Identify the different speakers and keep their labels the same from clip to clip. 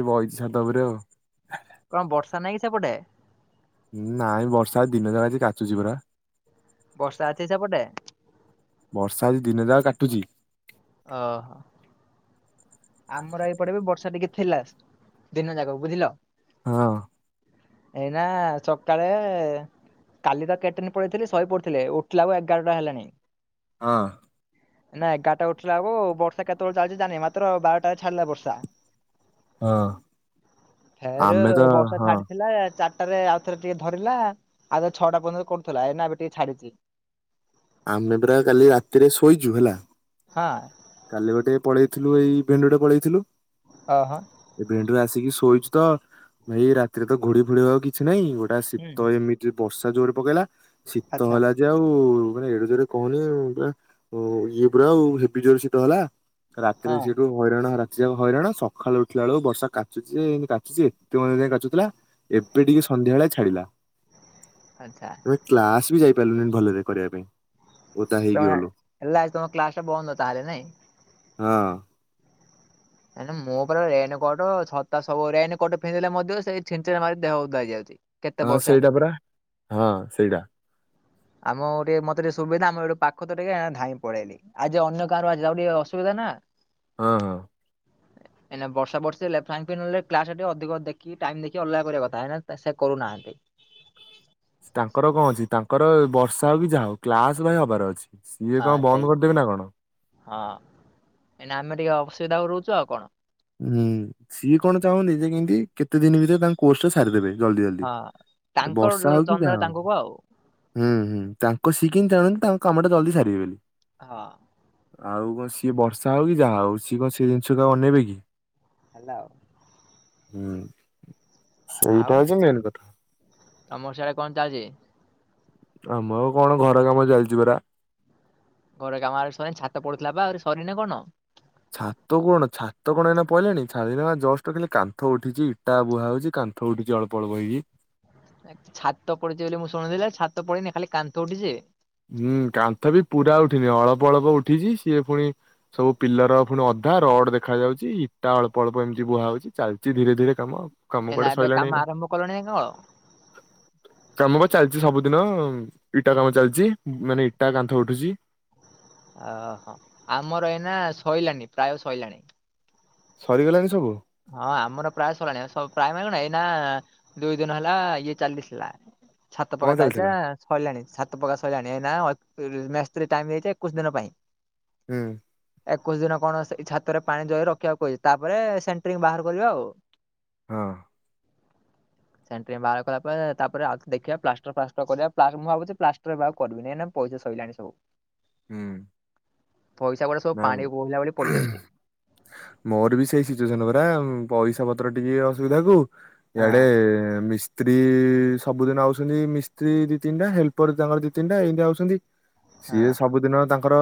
Speaker 1: ଏ ବଇଛି ଛାତ ଉପରେ ଆଉ।
Speaker 2: କଣ ବର୍ଷା ନାଇଁ କି ସେପଟେ।
Speaker 1: ନାଇଁ ବର୍ଷା ଆ ଦିନ ଯାକ ଆଜି କାଚୁଚି ପରା।
Speaker 2: ବର୍ଷା ଅଛି ସେପଟେ?
Speaker 1: ବର୍ଷା ଆଜି ଦିନ ଯାକ କାଟୁଛି।
Speaker 2: ଓହ। ଆମର ଏପଟେ ବି ବର୍ଷା ଟିକେ ଥିଲା ଦିନ ଯାକ ବୁଝିଲ।
Speaker 1: ହଁ।
Speaker 2: ଏଇନା ସକାଳେ କାଲି ର କେଟିନି ପଳେଇଥିଲି ଶହେ ପଡୁଥିଲେ ଉଠିଲା ବେଳୁ ଏଗାରଟା ହେଲାଣି।
Speaker 1: ହଁ।
Speaker 2: ନା ଏଗାରଟା ଉଠିଲା ବେଳୁକୁ ବର୍ଷା କେତେବେଳେ ଚାଲିଚି ଜାଣିନି ମାତ୍ର ବାରଟାରେ ଛାଡିଲା ବର୍ଷା।
Speaker 1: ହଁ
Speaker 2: ଫେରେ
Speaker 1: ଆମେ ତ
Speaker 2: ବର୍ଷା
Speaker 1: ହଁ
Speaker 2: ଛାଡିଥିଲା ଚାର ତାରେ ଆଉ ଥରେ ଟିକେ ଧରିଲା, ଆଗ ଛଅଟା ପନ୍ଦରରେ କରୁଥିଲା ଏଇନା ଏବେ ଟିକେ ଛାଡିଚି।
Speaker 1: ଆମେ ପରା କାଲି ରାତିରେ ଶୋଇଛୁ ହେଲା
Speaker 2: ହଁ।
Speaker 1: କାଲି ଗୋଟେ ପଳେଇଥିଲୁ ଏଇ ଇଭେଣ୍ଟ ଗୋଟେ ପଳେଇଥିଲୁ।
Speaker 2: ହ, ହଁ।
Speaker 1: ଇଭେଣ୍ଟ ରୁ ଆସିକି ଶୋଇଛୁ ତ ଭାଇ ରାତିରେ ତ ଘୋଡି ଫୁଡିି ହବାକୁ କି କିଛି ନାଇଁ। ଗୋଟା
Speaker 2: ହୁଁ
Speaker 1: ଶୀତ ଏମିତି ରେ ବର୍ଷା ଜୋରେ ପକେଇଲା, ଶୀତ
Speaker 2: ଆଚ୍ଛା
Speaker 1: ହେଲା ଯେ ଆଉ ମାନେ ଏଡେ ଜୋରେ କହନି ପୁରା ଇଏ ପୁରା ଆଉ ହେବି ଜୋରେ ଶୀତ ହେଲା। ରାତିରେ
Speaker 2: ହଁ
Speaker 1: ସେଠୁ ହଇରାଣ ରାତି ଯାକ ହଇରାଣ, ସକାଳୁ ଉଠିଲା ବେଳକୁ ବର୍ଷା କାଚୁଛି ଯେ ରାତି ଯେ ଏତେ ବେଳପର୍ଯ୍ୟନ୍ତ ଯାଇ କାଚୁଥିଲା। ଏବେ ଟିକେ ସନ୍ଧ୍ୟାବେଳେ ଛାଡିଲା।
Speaker 2: ଆଚ୍ଛା
Speaker 1: ଏବେ କ୍ଲାସ୍ ବି ଯାଇ ପାରିଲୁନି ଭଲରେ କରିବା ପାଇଁ। ଓଦା ହେଇକି
Speaker 2: ତମେ
Speaker 1: ଗଲୁ
Speaker 2: ହେଲା ଆଜି ତମର କ୍ଲାସ୍ ଟା ବନ୍ଦ ତାହେଲେ ନାଇଁ?
Speaker 1: ହଁ।
Speaker 2: ମାନେ ମୋ ଉପରେ ରେନ୍ କୋଟ, ଛତା ସବୁ ରେନ୍ କୋଟ ଫିନ୍ଧିଲେ ମଧ୍ୟ ସେ ଛିଛିଡ଼ା ମାରି ଦେହ ଓଦା ହେଇଯାଉଛି। କେତେ
Speaker 1: ହଁ
Speaker 2: ବର୍ଷ
Speaker 1: ସେଇଟା
Speaker 2: ଏମିତି
Speaker 1: ପରା, ହଁ ସେଇଟା।
Speaker 2: ଆମ ଗୋଟେ ମତେ ଟିକେ ସୁବିଧା ଆମୋ ଏପଟୁ ପାଖ ତ ଟିକେ ଧାଇଁ ପଳେଇଲି। ଆଜି ଅନ୍ୟ ଗାଁରୁ ଆସିଛିତାକୁ ଟିକେ ଅସୁବିଧା ନା
Speaker 1: ହଁ ହଁ।
Speaker 2: ହ ଏନା ବର୍ଷା ବର୍ଷେ ଇଲେ ଫାଇନ୍ ପେନ୍ ନେଲେ, କ୍ଲାସ୍ ରେ ଟିକେ ଅଧିକ ଦେଖି ଟାଇମ୍ ଦେଖି ଅଲଗା କରିବା କଥା, ହେ ସେ କରୁନାହାନ୍ତି।
Speaker 1: ତାଙ୍କର କଣ ଅଛି, ତାଙ୍କର ବର୍ଷା ହଉ କି ଯାହା ହଉ। କ୍ଲାସ୍ ଭାଇ ହବାର ଅଛି। ସିଏ
Speaker 2: ହଁ
Speaker 1: କଣ
Speaker 2: ସେଇ
Speaker 1: ବନ୍ଦ କରିଦେବେ ନା କଣ?
Speaker 2: ହଁ ଏନା ଆମେ ଟିକେ ଅସୁବିଧା ରହୁଛୁ ଆଉ କଣ।
Speaker 1: ହୁଁ ସିଏ କଣ ଚାହୁଁନ୍ତି ଯେ କେମତି କେତେ ଦିନ ଭିତରେ ତାଙ୍କୁ କୋର୍ସ ଟା ସାରିଦେବେ, ଜଲଦି ଜଲଦି
Speaker 2: ହଁ। ତାଙ୍କର
Speaker 1: ବର୍ଷା ହଉ କି
Speaker 2: ଚନ୍ଦା
Speaker 1: ଯାହା ହଉ।
Speaker 2: ତାଙ୍କକୁ ଆଉ
Speaker 1: ହୁଁ ହୁଁ। ତାଙ୍କ ସେ କେମିନ୍ତି ଚାହୁଁଛନ୍ତି ତାଙ୍କ କାମଟା ଜଲଦି ସାରିବେ ବୋଲି।
Speaker 2: ହଁ।
Speaker 1: ଆଉ କଣ, ସିଏ ବର୍ଷା ହଉ କି ଯାହା ହଉ ସିଏ କଣ ସେ ଜିନିଷ ଆଉ ଅନେଇବେ କି?
Speaker 2: ହେଲା ଆଉ।
Speaker 1: ହୁଁ।
Speaker 2: ଆଉ
Speaker 1: ସେଇଟା ହଉଛି ମେନ୍ କଥା।
Speaker 2: ତମର ସେଆଡେ କଣ ଚାଲିଛି?
Speaker 1: ଆମର କଣ ଘର କାମ ଚାଲିଛି ପରା।
Speaker 2: ଘର କାମ ଆହୁରି ସରିନି, ଛାତ ପଡୁଥିଲା ବା ଆହୁରି ସରିନି ନା କଣ?
Speaker 1: ଛାତ କଣ? ଛାତ କଣ ଏଇନା ପଡ଼ିଲାଣି ଛାତ ଜଷ୍ଟ ଖାଲି କାନ୍ଥ ଉଠିଛି, ଇଟା ବୁହା ହଉଛି କାନ୍ କାନ୍ଥ ଉଠିଚି ଅଳ୍ପ ଅଳ୍ପ ହେଇକି।
Speaker 2: ଛାତ ପଡିଛି ବୋଲି ମୁଁ ଶୁଣିଥିଲି। ଛାତ ପଡିିନି ଖାଲି କାନ୍ଥ ଉଠିଛି?
Speaker 1: ହୁଁ କାନ୍ଥ ବି ପୁରା ଉଠିନି। ଅଳ୍ପ ଅଳ୍ପ ଉଠିଛି। ସିଏ ଫୁଣି ସବୁ ପିଲର ଫୁଣି ଅଧା, ରଡ୍ ଦେଖା ଯାଉଛି, ଇଟା ଅଳ୍ପ ଅଳ୍ପ ଏମିତି ବୁହା ହଉଛି ଚାଲିଛି ଧୀରେ ଧୀରେ କାମ ଆଉ।
Speaker 2: ଏ ନା ଏବେ କାମ ଆରମ୍ଭ କଲେଣି ନାଇଁ କଣ?
Speaker 1: କାମ ବା ଚାଲିଛି ସବୁଦିନ, ଇଟା କାମ ଚାଲିଛି। ମାନେ ଇଟା କାନ୍ଥ ଉଠୁଛି।
Speaker 2: ଓହୋ ଆମର ଏଇନା ସୋଇଲାଣି। ପ୍ରାୟ ସରଲାଣି।
Speaker 1: ସରିଗଲାଣି ସବୁ?
Speaker 2: ହଁ ଆମର ପ୍ରାୟ ସରି ଲାଣି। ପ୍ରାୟ ମାନେ କଣ ଏଇନା ଦୁଇ ଦିନ ହେଲା ଇଏ ଚାଲିଥିଲା। ଛାତ
Speaker 1: କଣ
Speaker 2: ପକା ଚାଲିତା
Speaker 1: ଚାଲିଥିଲା
Speaker 2: ସରିଲାଣି ଛାତ ପକା ସଇଲାଣି ଏଇନା ମିସ୍ତ୍ରି ଟାଇମ୍ ଦେଇଚି ଏକୋଇଶ୍ ଦିନ ପାଇଁ।
Speaker 1: ହୁଁ।
Speaker 2: ଏକୋଇଶି ଦିନ କଣ ସେଇ ଛାତ ରେ ପାଣି ଦେଇ ରଖିବାକୁ କହିବେ ତାପରେ ସେ ବାହାର କରିବା ଆଉ।
Speaker 1: ହଁ।
Speaker 2: [inaudible] ସେଣ୍ଟ୍ରିଂ ବାହାର କଲା ପରେ ତାପରେ ଆଉଥ ଦେଖିବା ପ୍ଲାଷ୍ଟର୍ ଫ୍ଲାଷ୍ଟର୍ କରିବା ପ୍ଲା ମୁଁ ଭାବୁଛି ପ୍ଲାସ୍ ବା କରିବିନି ପଇସା ସଇଲାଣି ସବୁ।
Speaker 1: ହୁଁ।
Speaker 2: ପଇସା କୁଆଡେ ସ
Speaker 1: ନାଇଁ ମୋର ବି ସି ଚନ ପରା ପଇସା ପତ୍ର ଟିକେ ଅସୁବିଧା କୁ ଇଆଡେ
Speaker 2: ହଁ
Speaker 1: ମିସ୍ତ୍ରୀ ସବୁଦିନ ଆଉଛନ୍ତି ମିସ୍ତ୍ରୀ ଦି ତିନିଟା ହେଲ୍ପର୍ ତାଙ୍କର ଦି ତିନିଟା ଏଇମିତି ଆଉଛନ୍ତି।
Speaker 2: ହଁ
Speaker 1: ସିଏ ସବୁଦିନ ତାଙ୍କର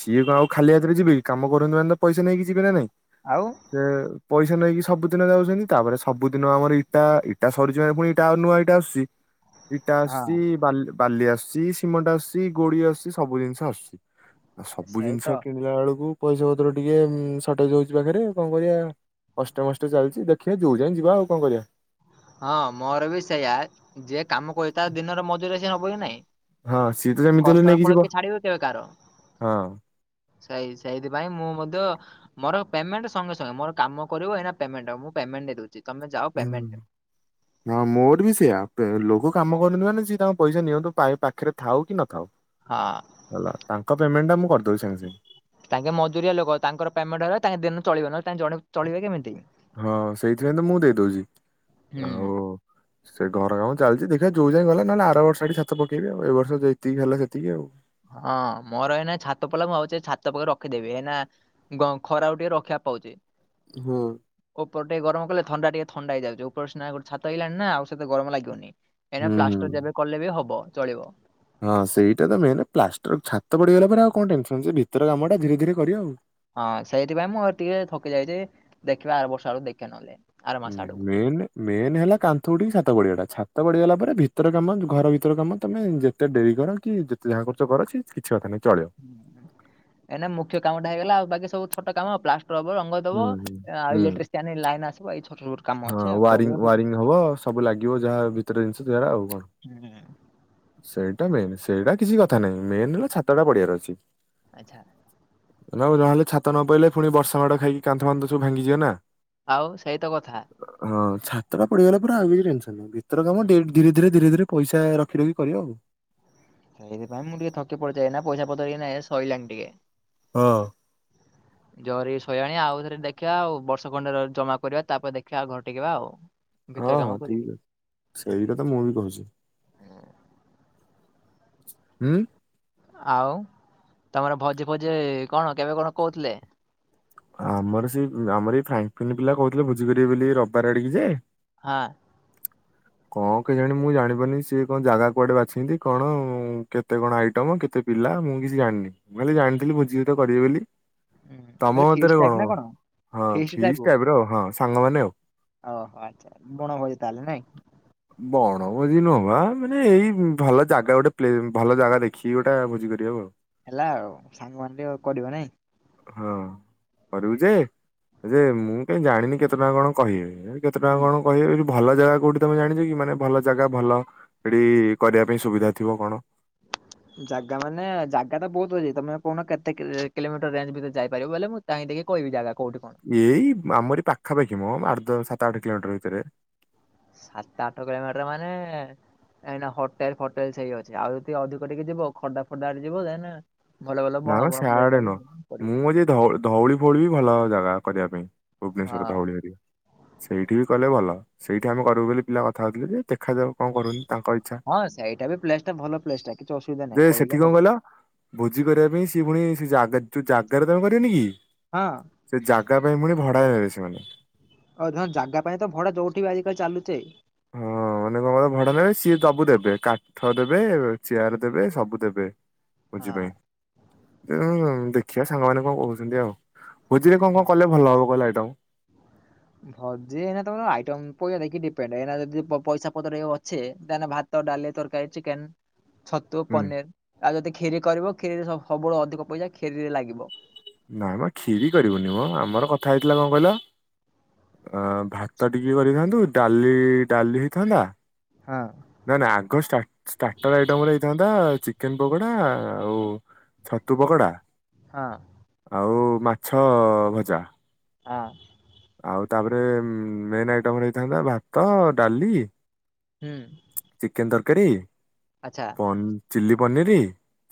Speaker 1: ସିଏ କଁ ଆଉ ଖାଲି ହାତରେ ଯିବେ କି କାମ କରନ୍ତୁ ମାନେ ତ ପଇସା ନେଇକି ଯିବେ ନା ନାଇଁ।
Speaker 2: ଆଉ
Speaker 1: ସେ ପଇସା ନେଇକି ସବୁଦିନ ଯାଉଛନ୍ତି ତାପରେ ସବୁଦିନ ଆମର ଇଟା ଇଟା ସରୁଚି ମାନେ ପୁଣି ଇଟା ନୂଆ ଇଟା ଆସୁଚି। ଇଟା
Speaker 2: ହଁ।
Speaker 1: ଆସୁଛି ବାଲି ବାଲି ଆସୁଛି ସିମଟ ଆସୁଛି ଗୋଡି ଆସୁଛି ସବୁ ଜିନିଷ ଆସୁଛି। ଆଉ ସବୁ
Speaker 2: ସେଇ ତ
Speaker 1: ଜିନିଷ କିଣିଲା ବେଳକୁ ପଇସା ପତ୍ର ଟିକେ ସଟେଜ୍ ହୋଉଚି ପାଖରେ କଣ କରିବା। କଷ୍ଟେମଷ୍ଟେ ଚାଲିଚି ଦେଖିବା ଯୋଉ ଯାଏଁ ଯିବା ଆଉ କଁ କରିବା।
Speaker 2: ହଁ ମୋର ବି ସେଇୟଆ ଯିଏ କାମ କରୁଚି ତା ଦିନର ମଜୁରୀ ସିଏ ନବକି ନାଇଁ?
Speaker 1: ହଁ ସିଏ ତ ଯେମିତି ହେଲେ
Speaker 2: କଷ୍ଟର
Speaker 1: ନେଇକି
Speaker 2: ଫଳ
Speaker 1: ଯିବ
Speaker 2: କିଏ ଛଡିିବ କେବେ କାହାର?
Speaker 1: ହଁ।
Speaker 2: ସେଇ ସେଇଥିପାଇଁ ମୁଁ ମଧ୍ୟ ମୋର ପେମେଣ୍ଟେ ସଙ୍ଗେ ସଙ୍ଗେ ମୋର କାମ କରିବ ଏଇନା ପେମେଣ୍ଟ ମୁ ପେମେଣ୍ଟ୍ ଦେଇ ଦୋଉଛି ତମେ ଯାଅ
Speaker 1: ହୁଁ
Speaker 2: ପେମେଣ୍ଟ୍
Speaker 1: ହଁ ମୋର ବି ସେଇଆ ଲୋକ କାମ କରୁନ୍ତି ମାନେ ସିଏ ତାଙ୍କ ପଇସା ନିଅନ୍ତୁ ପାଏ ପା ଖେରେ ଥାଉ କି ନଥାଉ
Speaker 2: ହଁ।
Speaker 1: ହେଲା ତାଙ୍କ ପେମେଣ୍ଟ୍ ଟା ମୁଁ କରିଦୋଉଚି ସାଙ୍ଗେ ସାଙ୍ଗେ।
Speaker 2: ତାଙ୍କେ ମଜୁରିଆ ଲୋକ ତାଙ୍କର ପେମେଣ୍ଟ୍ ହେଲା ତାଙ୍କ ଦିନ ଚଳିବ ନହଲେ ତା ଜଣେ ଚଳିବ କେମିତି,
Speaker 1: ହଁ ସେଇଥିପାଇଁ ତ ମୁଁ ଦେଇଦଉଛି ଆଉ
Speaker 2: ହୁଁ।
Speaker 1: ସେ ଘର କାମଁ ଚାଲିଚି ଦେଖିଆ ଯୋଉ ଯାଏ ଗଲା ନେଲେ ଆରବର୍ଷ ଆଡି ଛାତ ପକେଇବି ଆଉ ଏବର୍ଷ ଯେତିକି ହେଲା ସେତିକି ଆଉ।
Speaker 2: ହଁ ମୋର ଏଇନା ଛାତ ପଲା ମୁଁ ଆଉଛି ଛାତ ପକେଇ ରଖିଦେବି ଏଇନା ଗଁ ଖରାକୁ ଟିକେ ରଖିବା ପାଉଚି।
Speaker 1: ହୁଁ।
Speaker 2: ଉପର ଟେ ଗରମ କଲେ ଥଣ୍ଡା ଟିକେ ଥଣ୍ଡା ହେଇଯାଉଛି ଉପରେ ସିନା ଗୋ ଛାତ ହେଇଲାଣି ନା ଆଉ ସେତ ଗମ ଲାଗିବନି। ଏଇନା
Speaker 1: ହୁଁ ହୁଁ।
Speaker 2: ପ୍ଲାଷ୍ଟର୍ ଯେବେ କଲେ ବି ହବ ଚଳିବ।
Speaker 1: ହଁ ସେଇଟା ତ ମେନ୍ ପ୍ଲାଷ୍ଟର୍ ଛାତ ପଡିଗଲା ପରେ ଆଉ କଣ ଟେନସନଛି ଭିତର କାମ ଟା ଧୀରେ ଧୀରେ କରିବ ଆଉ।
Speaker 2: ହଁ ସେଇଥିପାଇଁ ମୁଁ ଟିକେ ଥକି ଯାଇଚି ଦେଖିବା ଆର ବର୍ଷ ଆଡକୁ ଦେଖିବା ନହେଲେ। ଆର
Speaker 1: ହଁ
Speaker 2: ମାସ ଆଡକୁ
Speaker 1: ମେନେ ମେନେ ହେଲା କାନ୍ଥ ଉଠିକି ଛାତ ପଡିିବାଟା ଛାତ ପଡିଗଲା ପରେ ଭିତର କାମ ଘର ଭିତର କାମ ତମେ ଯେ ତେ ଡେରି କର କି ଯେତେ ଯାହା କରୁଚ କର ସେ କିଛି କଥା ନାହିଁ ଚଳିବ।
Speaker 2: ଏନା ମୁଖ୍ୟ କାମ ଟା ହେଇଗଲା ଆଉ ବାକି ସବୁ ଛୋଟ କାମ ଆଉ ପ୍ଲା ରବର୍ ରଙ୍ଗ
Speaker 1: ହୁଁ
Speaker 2: ଦବ
Speaker 1: ହୁଁ
Speaker 2: ଆଇ
Speaker 1: ହୁଁ
Speaker 2: ଲାଇଟ୍ରେ ଲାଇନ୍ ଆସିବ ଏଇ ଛୋଟ କାମ ଅଛି
Speaker 1: ହଁ
Speaker 2: ଆଉ କରିବା
Speaker 1: ୱାରିଙ୍ଗ୍
Speaker 2: ତ-
Speaker 1: ୱାରିଙ୍ଗ୍ ହବ ସବୁ ଲାଗିବ ଯାହା ଭିତରେ ଜିନ୍ଷ ଯାହା ଆଉ କଣ।
Speaker 2: ହୁଁ।
Speaker 1: ସେଇଟା ମେନ୍ ସେଇଟା କିଛି କଥା ନାହିଁ ମେନ୍ ହେଲା ଛାତଟା ପଢିବାର ଅଛି।
Speaker 2: ଆଚ୍ଛା।
Speaker 1: ନା ବେ ଜାହେଲେ ଛାତ ନ ପାଇଲେ ପୁଣି ବର୍ଷା ମାଡ ଖାଇକି କନ୍ଥ ଫାନ୍ଥ ସବୁ ଭାଙ୍ଗଯିବେ ନା।
Speaker 2: ଆଉ ସେଇତ କଥା।
Speaker 1: ହଁ ଛାତଟା ପଢିଗଲା ପରେ ଆଉ କିଛି ଟନସନ୍ ନାହିଁ ଭିତର କାମ
Speaker 2: ହୁଁ,
Speaker 1: ଧୀରେ ଧୀରେ ଧୀରେ ଧୀରେ ପଇସା ରଖି ରଖି କରିବ ଆଉ।
Speaker 2: ସେଇଥିପାଇ ମୁଁ ଟିକେ ଥକିପଡିଯାଏ ନା ପଇସା ପତର କି ନା ସରିଲାଣି ଟିକେ।
Speaker 1: ହଁ।
Speaker 2: ଜରି ଶୋଇଲାଣି ଆଉଥରେ ଦେଖିବା ଆଉ ବର୍ଷ ଖଣ୍ଡେରେ ଜମା କରିବା ତାପରେ ଦେଖିବା ଘର ଟେକିବା ଆଉ। ହଁ
Speaker 1: ହଁ ହଁ ଠିକ ଅଛି ସେଇଟା ତ ମୁଁ ବି କୋହୁଚି। ହୁଁ।
Speaker 2: ଆଉ ତମର ଭୋଜି ଫୋଜି କଣ କେବେ କଣ କହୁଥିଲେ?
Speaker 1: ଆମର ସେଇ ଆମର ଏଇ ଫ୍ରାଙ୍କଫନ୍ ପିଲା କହୁଥିଲେ ଭୋଜି କରିବେ ବୋଲି ରବିବାର ଆଡିକି ଯେ
Speaker 2: ହଁ।
Speaker 1: କଣ କେଯାଣି ମୁଁ ଜାଣିପାନେଇ ସିଏ କଣ ଜାଗା କୁଆଡେ ବାଛିଚନ୍ତି କଣ କେତେ କଣ ଆଇଟମ୍ କେତେ ପିଲା ମୁଁ କିଛି ଜାଣିନି, ମୁଁ ଖାଲି ଜାଣିଥିଲି ଭୋଜି ଭାତ କରିବେ ବୋଲି।
Speaker 2: ହୁଁ
Speaker 1: ତମ
Speaker 2: ବୋଇଲେ ଫିଷ୍ଟ
Speaker 1: ମତରେ
Speaker 2: ଟାଇପ୍
Speaker 1: କଣ
Speaker 2: ନା
Speaker 1: ହଁ
Speaker 2: ଫିଷ୍ଟ
Speaker 1: ଫିସ୍
Speaker 2: ଟାଇପ୍?
Speaker 1: ଟାଇପର ଆଉ ହଁ ସାଙ୍ଗ ମାନେ ଆଉ।
Speaker 2: ଓହୋ ଆଚ୍ଛା ବଣ ଭୋଜି ତାହେଲେ ନାଇଁ।
Speaker 1: ବଣଭୋଜି ନୁହବା ମାନେ ଏଇ ଭଲ ଜାଗା ଗୋଟେ ପ୍ଲେନ୍ ଭଲ ଜାଗା ଦେଖିକି ଗୋଟେ ଭୋଜି କରିବାକୁ ଆଉ।
Speaker 2: ହେଲା ଆଉ ସାଙ୍ଗମାନେ କରିବା ନାଇଁ।
Speaker 1: ହଁ କରିବୁ ଯେ ଯେ ମୁଁ କାଇ ଜାଣିନି କେତେ ଟଙ୍କା କଣ କହିବେ କେତେ ଟଙ୍କା
Speaker 2: ହୁଁ
Speaker 1: କଣ କହିବେ। ଭଲ ଜାଗା କୋଉଠି ତମେ ଜାଣିଛ କି, ମାନେ ଭଲ ଜାଗା ଭଲ ସେଠି କରିବା ପାଇଁ ସୁବିଧା ଥିବ କଣ।
Speaker 2: [inaudible] ଜାଗା ମାନେ ଜାଗା ତ ବହୁତ ଅଛି ତମେ କହୁନ କେତେ କିଲୋମିଟର ରେଞ୍ଜ ଭିତରେ ଯାଇପାରିବ ବୋଲି ମୁ କାଇଁ ଟିକେ କହିବି ଜାଗା କଉଠି କଣ?
Speaker 1: ଏଇ ଆମରି ପାଖାପାଖି ମ ଆଠ ଦ ସାତ ଆଠ କିଲୋମିଟର ଭିତରେ।
Speaker 2: ସାତ ଆଠ କିଲୋମିଟର ମାନେ କାଇଁ ନା ହୋଟେଲ୍ ଫୋଟେଲ୍ ସେଇ ଅଛି ଆଉ ଯଦି ଅଧିକ ଟିକେ ଯିବ ଖୋର୍ଦ୍ଧା ଫୋର୍ଡା ଆଡେ ଯିବ ଯାଇନା।
Speaker 1: ନା ମ ଶାଆଡେ ନୁହଁ
Speaker 2: ପଡିବ
Speaker 1: ମୁଁ ଧୋଉଲୀ ଧଉଳି ଫଉଳି ବି ଭଲ ଜାଗା କରିବା ପାଇଁ ଭୁବନେଶ୍ଵର
Speaker 2: ହଁ
Speaker 1: ଧଉଳିରେ। ସେଇଠି ବି କଲେ ଭଲ ସେଇଠି ଆମେ କରିବୁ ବୋଲି ପିଲା କଥା ହଉଥିଲେ ଯେ ଦେଖାଯାଉ କଣ କରୁଛନ୍ତି ତାଙ୍କ ଇଚ୍ଛା।
Speaker 2: ହଁ ସେଇଟା ବି ପ୍ଲେସ୍ ଟା ଭଲ ପ୍ଲେସ୍ ଟା କିଛି ଅସୁବିଧା
Speaker 1: ଯେ
Speaker 2: ନାହିଁ
Speaker 1: ସେଠି
Speaker 2: କହିଲେ
Speaker 1: କଣ
Speaker 2: ହବ।
Speaker 1: କହିଲ ଭୋଜି କରିବା ପାଇଁ ସେ ପୁଣି ସେ ଯୋଉ ଜାଗାରେ ତମେ କରିବନି କି?
Speaker 2: ହଁ।
Speaker 1: ସେ ଜାଗା ପାଇଁ ପୁଣି ଭଡା ଦେବେ ସେମାନେ।
Speaker 2: ଆଉ ତମେ ଜାଗା ପାଇଁ ତ ଭଡା ଯୋଉଠି ବି ଆଜିିକାଲି ଚାଲୁଛେ।
Speaker 1: ହଁ। ମନେକଁ କହିଲ ଭଡାରେ ସିଏ ସବୁ ଦେବେ କାଠ ଦେବେ, ଚେୟାର ଦେବେ ସବୁ ଦେବେ।
Speaker 2: ହଁ
Speaker 1: ବୁଝିପାଇଲି ଦେଖିଆ ସାଙ୍ଗ ମାନେ କଣ କବଛନ୍ତି ଆଉ? ଭୋଜିରେ କଣ କଣ କଲେ ଭଲ ହବ କହଲ ଆଇଟାମ୍?
Speaker 2: [inaudible] ଭୋଜି ଏଇନା ତମର ଆଇଟମକୁ ନେଇକି ଡିପେଣ୍ଡ। ଏଇନା ଯଦି ପଇସା ପତ୍ର ଅଛି ତାହଲେ ଭା ଭାତ ଡାଲି ତରକାରୀ ଚିକେନ। ଛତୁ
Speaker 1: ହୁଁ
Speaker 2: ପନିର ଆଉ ଯଦି କ୍ଷିରି କରିବ କ୍ଷିରିରେ ସବୁଠୁ ଅଧିକ ପଇସା କ୍ଷିରିରେ ଲାଗିବ।
Speaker 1: ନାଇଁ ମ କ୍ଷୀରି କରିବୁନି ମ
Speaker 2: ହଁ।
Speaker 1: ଆମର କଥା ହେଇଥିଲା କଣ କହିଲ, ଭାତ ଟିକେ କରିଥାନ୍ତୁ, ଡାଲି ଡାଲି ହେଇଥାନ୍ତା।
Speaker 2: ହଁ।
Speaker 1: ନାଇ ନାଇଁ ଆଗ ଷ୍ଟା ଷ୍ଟାର୍ଟର ଆଇଟମରେ ହେଇଥାନ୍ତା ଚିକେନ ପକୋଡା ଆଉ ଛତୁ ପକୋଡ଼ା
Speaker 2: ହଁ।
Speaker 1: ଆଉ ମାଛ ଭଜା।
Speaker 2: ଆଁ।
Speaker 1: ଆଉ ତାପରେ ମେନ୍ ଆଇଟମ ରେ ହେଇଥାନ୍ତା ଭାତ, ଡାଲି
Speaker 2: ହୁଁ।
Speaker 1: ଚିକେନ ତରକାରୀ
Speaker 2: ଆଚ୍ଛା
Speaker 1: ଚିଲି ପନିର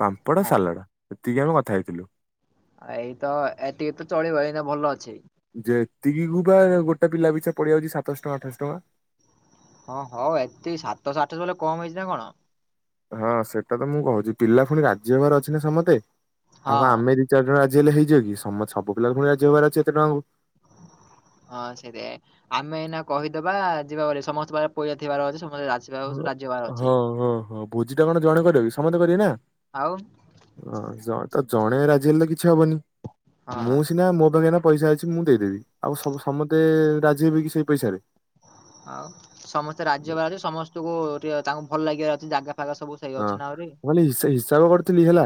Speaker 1: ପାମ୍ପଡ଼
Speaker 2: ହଁ
Speaker 1: ସାଲାଡ଼। ଏତିକି ଆମେ କଥା ହେଇଥିଲୁ।
Speaker 2: ଆଉ ଏଇତ ଏତିକି ତ ଚଳିବ ଏଇନା ଭଲ ଅଛି।
Speaker 1: ଏତିକିକୁୁ ବା ଗୋଟେ ପିଲା ପିଛା ପଡିଯାଉଛି ସାତଶହ ଟଙ୍କା ଆଠଶହ ଟଙ୍କା।
Speaker 2: ହଁ ହଉ ଏତିିକି ସାତସହ ଆଠସହ କହିଲେ କମ ହେଇଛି ନା କଣ।
Speaker 1: ହଁ ସେଟା ତ ମୁଁ କୋହୁଚି ପିଲା ପୁଣି ରାଜିହବାର ଅଛି ନା ସମତେ ଆଉ
Speaker 2: ହଁ
Speaker 1: ଆମେରି ଚାରି ଜଣ ରାଜି ହେଲେ ହେଇଯାଏ କି ସମ ସବୁ ପିଲା ଫୁଣି ରାଜି ହେବାର ଅଛି ଏତେ ଟଙ୍କା କୁ।
Speaker 2: ହଁ ସେଇରେ ପାଇଁ ଆମେ ଏଇନା କହିଦବା ଯିବା ବୋଲି ସମସ୍ତେ ପାଖରେ ପଇସା ଥିବାର ଅଛି ସମସ୍ତେ ରା ଯାହା ହେଉ ସେ ରାଜି ହବାର ଅଛି।
Speaker 1: ହୁଁ ହୁଁ ହୁଁ। ଭୋଜି ଟା କଣ ଜଣେ କରିବ କି ସମତେ କରିବେ ନା।
Speaker 2: ଆଉ
Speaker 1: ହୁଁ ତ ଜଣେ ରାଜି ହେଲେ କିଛି ହବନି
Speaker 2: ହଁ
Speaker 1: ମୁଁ ସିନା ମୋ ପାଖେନା ପଇସା ଅଛି ମୁଁ ଦେଇଦେବି ଆଉ ସମତେ ରାଜି ହେବେ କି ସେଇ ପଇସାରେ?
Speaker 2: ଆଉ ସମସ୍ତେ ରାଜି ହବାର ଅଛି ସମସ୍ତଙ୍କୁ ଟ ତାଙ୍କୁ ଭଲ ଲାଗିବା ଅଛି ଜାଗା ଫାଗା ସବୁ ସେଇ
Speaker 1: ହଁ
Speaker 2: ଅଛି ନା ଆହୁରି।
Speaker 1: ମୁଁ ଅଲି ହିସା ହିସାବ କରୁଥିଲି ହେଲା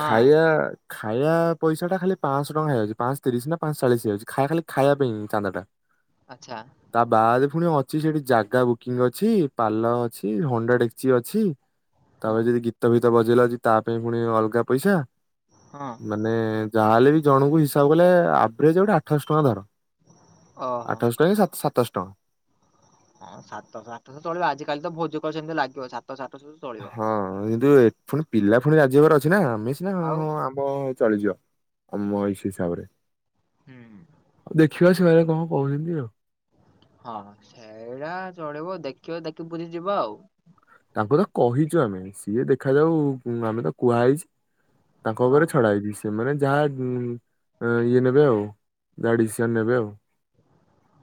Speaker 2: ହଁ
Speaker 1: ଖାଇବା ଖାଇବା ପଇସା ଟା ଖାଲି ପାଂଶହ ଟଙ୍କା ହେଇଯାଉଛି ପାଂଶ ତିରିଶ ନା ପାଂଶ ଚାଳିଶି ହେଇଯାଉଚି ଖାଇବା ଖାଲି ଖାଇବା ପାଇଁ ଚାନ୍ଦାଟା।
Speaker 2: ଆଚ୍ଛା।
Speaker 1: ତା ବାଦ୍ ପୁଣି ଅଛି ସେଠି ଜାଗା ବୁକିଂ ଅଛି ପାଲ ଅଛି ହୁଣ୍ଡା ଡେକ୍ଚି ଅଛି।
Speaker 2: ହଁ
Speaker 1: ତାପରେ ଯଦି ଗୀତ ଫୀତ ବଜେଇଲ ତା ପାଇଁ ପୁଣି ଅଲଗା ପଇସା।
Speaker 2: ହଁ।
Speaker 1: ମାନେ ଯାହାହେଲେ ବି ଜଣଙ୍କୁ ହିସାବ କଲେ ଆଭ୍ରେଜ୍ ଗୋଟେ ଆଠଶହ ଟଙ୍କା ଧର।
Speaker 2: ଓହୋ।
Speaker 1: ଆଠଶହ ଟଙ୍କା କି ସାତଶ୍ ଟଁ।
Speaker 2: ହଁ ସାତଶହ ଆଠଶହ ଚଳିବ ଆଜିକାଲି ତ ଭୋଜ କରୁଛନ୍ତି ଲାଗିବ ସାତଶହ ଆଠଶହ ଚଳିବ।
Speaker 1: ହଁ କିନ୍ତୁ ଏ ପୁଣି ପିଲା ପୁଣି ରାଜି ହବାର ଅଛି ନା ଆମେ ସିନା ହଁ
Speaker 2: ଆଉ
Speaker 1: ହଁ ଆ ମ ଚଳିଯିବ ଆମ ଏଇ ହିସାବରେ।
Speaker 2: ହୁଁ ହୁଁ।
Speaker 1: ଦେଖିବା ସେମାନେ କଣ କୋହୁଛନ୍ତି ଆଉ।
Speaker 2: ହଁ ସେଇଟା ଚଳିବ ଦେଖିବା ଦେଖି ବୁଝି ଯିବ ଆଉ।
Speaker 1: ତାଙ୍କୁ ତ କହିଚୁ ଆମେ ସିଏ ଦେଖାଯାଉ ଆମେ ତ କୁହା ହେଇଚି। ତାଙ୍କ
Speaker 2: ହଁ
Speaker 1: ଉପରେ ଛଡା ହେଇଚି ସେମାନେ ଯାହା ଇଏ ନେବେ ଆଉ ଯାହା ଡିସିସନ୍ ନେବେ ଆଉ।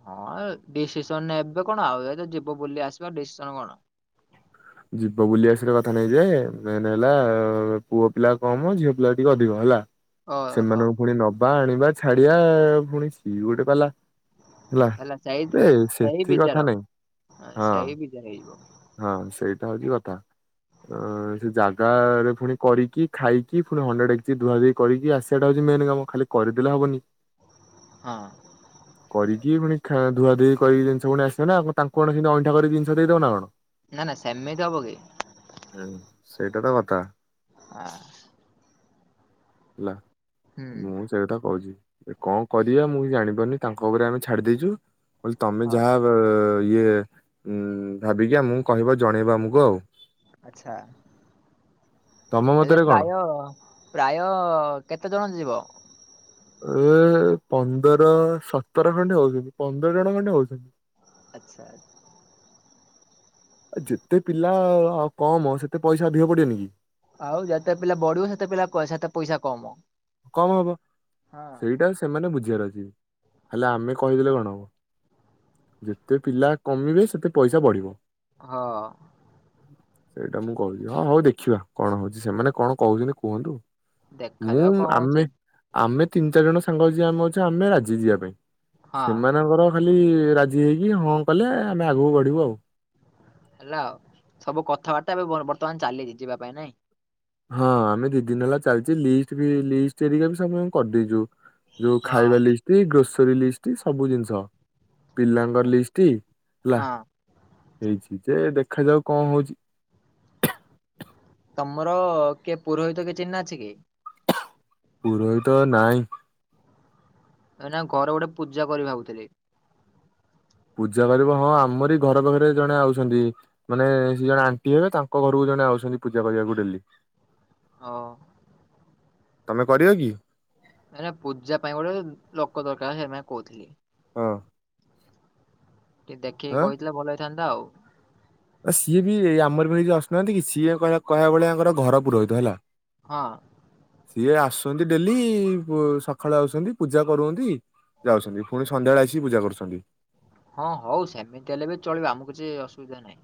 Speaker 2: ହଁ ଡିସିସନ୍ ନେବେ କଣ ଆଉ ଏ ଯିବ ବୋଲି ଆସିବ ଡିସିସନ କଣ।
Speaker 1: ଯିବ ବୁଲିଆସିବ କଥା ନାଇଁ ଯେ ମେନ୍ ହେଲା ପୁଅ ପିଲା କମ୍ ଝିଅ ପିଲା ଟିକେ ଅଧିକ ହେଲା।
Speaker 2: ଓହୋ
Speaker 1: ସେମାନଙ୍କୁ ପୁଣି ନବା ଆଣିବା ଛାଡିବା ପୁଣି ସିଏ ଗୋଟେ ପାଲା। ହେଲା
Speaker 2: ହେଲା ସେଇ
Speaker 1: ଏ
Speaker 2: ସେଇ
Speaker 1: ସେଥି କଥା ନାଇଁ ହଁ।
Speaker 2: ସେ ହେଇବ।
Speaker 1: ହଁ ସେଇଟା ହୋଉଚି କଥା ଅଁ ସେ ଜା ଗାଁ ରେ ପୁଣି କରିକି ଖାଇକି ପୁଣି ହଣ୍ଡା ଡେକ୍ଚି ଧୁଆଧୁଇ କରିକି ଆସିବାଟା ହୋଉଚି ମେନ୍ କାମ ଖାଲି କରିଦେଲେ ହବନି।
Speaker 2: ହଁ।
Speaker 1: କରିକି ପୁଣି ଖାଁ ଧୁଆ ଧୁଇ କରିକି ଜିନ୍ଷ ପୁଣି ଆସିବ ନା ତାଙ୍କୁ କଣ ସେମିତି ଅଇଁଠା କରିକ ଜିନ୍ଷ ଦେଇଦବ ନା କଣ?
Speaker 2: ନା ନା ସେମିତି ହବ କି?
Speaker 1: ହୁଁ ସେଇଟା ତ କଥା।
Speaker 2: ଆଃ।
Speaker 1: ହେଲା
Speaker 2: ହୁଁ
Speaker 1: ମୁଁ ସେଇଟା କହୁଛି। କଣ କରିଆ ମୁଁ ବି ଜାଣିପାରୁନି ତାଙ୍କ ଉପରେ ଆମେ ଛାଡି ଦେଇେଚୁ ମୁଁ କହିଲି ତମେ
Speaker 2: ହଉ
Speaker 1: ଯାହା ବ-ଇଏ ଉ ଭାବିକି ଆମକୁ କହିବ ଜଣେଇବ ଆମକୁ ଆଉ।
Speaker 2: ଆଛା
Speaker 1: ତମ
Speaker 2: ହେଲେ
Speaker 1: ମତରେ କଣ?
Speaker 2: ପ୍ରାୟ ପ୍ରାୟ କେତେ ଜଣ ଯିବ?
Speaker 1: ଏ ପନ୍ଦର ସତର ଖଣ୍ଡେ ହଉ ପନ୍ଦର ଜଣ ଖଣ୍ଡେ ହଉଛନ୍ତି।
Speaker 2: ଆଚ୍ଛା ଆ
Speaker 1: ଏ ଯେତେ ପିଲା ଆ କମ ସେତେ ପଇସା ଅଧିକ ପଡିବନି କି?
Speaker 2: ଆଉ ଯେତେ ପିଲା ବଢ଼ୁବ ସେତେ ପିଲା ସେତେ ପଇସା କମ।
Speaker 1: କମ୍ ହବ
Speaker 2: ହଁ।
Speaker 1: ସେଇଟା ସେମାନେ ବୁଝିବାର ଅଛି ହେଲେ ଆମେ କହିଦେଲେ କଣ ହବ? ଯେତେ ପିଲା କମିବେ ସେତେ ପଇସା ବଢିବ।
Speaker 2: ହ।
Speaker 1: ସେଇଟା ମୁଁ କହୁଛି ହଁ ହଉ ଦେଖିବା କଣ ହଉଛି ସେମାନେ କଣ କହୁଛନ୍ତି କୁହନ୍ତୁ। ମୁଁ
Speaker 2: ଦେଖାଯାଉ କଣ
Speaker 1: ଆମେ
Speaker 2: ହଉଛି?
Speaker 1: ଆମେ ତିନି ଚାରି ଜଣ ସାଙ୍ଗ ଯ ଆମେ ଅଛି ଆମେ ରାଯି ଯିବା ପାଇଁ
Speaker 2: ହଁ
Speaker 1: ସେମାନଙ୍କର ଖାଲି ରାଜି ହେଇକି ହଁ କଲେ ଆମେ ଆଗକୁ ବଢ଼ିବୁ ଆଉ।
Speaker 2: ହେଲା ଆଉ ସବୁ କଥାବାର୍ତ୍ତା ଏବେ ବ-ବର୍ତ୍ତମାନ ଚାଲିଛି ଯିବା ପାଇଁ ନାଇଁ?
Speaker 1: ହଁ ଆମେ ଦି ଦିନ ହେଲା ଚାଲିଛି ଲିଷ୍ଟ ବି ଲିଷ୍ଟ ଏରିକା ବି କରିଦେଇଛୁ। ଯୋଉ
Speaker 2: ହଁ
Speaker 1: ଖାଇବା ଲିଷ୍ଟ ଗ୍ରୋସରୀ ଲିଷ୍ଟ ସବୁ ଜିନିଷ
Speaker 2: ଆଚ୍ଛା
Speaker 1: ପିଲାଙ୍କର ଲିଷ୍ଟ ହେଲା
Speaker 2: ହଁ
Speaker 1: ହେଇଛି ଯେ ଦେଖାଯାଉ କଣ ହଉଛି?
Speaker 2: ତମର କିଏ ପୁରୋହିତ କିଏ ଚିହ୍ନା ଅଛି କି?
Speaker 1: ପୁରୋହିତ ନାଇଁ।
Speaker 2: ନା ଘରେ ଗୋଟେ ପୂଜା କରିବି ଭାବୁଥିଲି।
Speaker 1: ପୂଜା କରିବ ହଁ ଆମରି ଘର ପାଖରେ ଜଣେ ଆଉଛନ୍ତି। ମାନେ ସେ ଜଣେ ଆଣ୍ଟି ହେବେ ତାଙ୍କ ଘରକୁ ଜଣେ ଆଉଛନ୍ତି ପୂଜା କରିବାକୁ ଡେଲି।
Speaker 2: ହଉ।
Speaker 1: ତମେ କରିବ କି?
Speaker 2: ନା ନା ପୂଜା ପାଇଁ ଗୋଟେ ଲୋକ ଦରକାର ସେପାଇଁ କହୁଥିଲି।
Speaker 1: ହଁ।
Speaker 2: ଟିକେ ଦେଖିକି
Speaker 1: ଆଁ।
Speaker 2: କହିଥିଲେ ଭଲ ହେଇଥାନ୍ତା ଆଉ।
Speaker 1: ସିଏ ବି ଆମର ବି ଏ ଯୋଉ ଆସୁନାହାନ୍ତି କି ସିଏ କହିବା ବଳିଆଙ୍କର ଘର ପୁରହିତ ହେଲା।
Speaker 2: ହଁ।
Speaker 1: ସିଏ ଆସୁଛନ୍ତି ଡେଲି-ସକାଳେ ଆଉଛନ୍ତି ପୂଜା କରୁନ୍ତୀ ଯାଉଛନ୍ତି ପୁଣି ସନ୍ଧ୍ୟାବେଳେ ଆସିକି ପୂଜା କରୁଛନ୍ତି।
Speaker 2: ହଁ ହଉ ସେମିତି ହେଲେ ବି ଚଳିବ ଆମକୁ ଯେ ଅସୁବିଧା ନାହିଁ।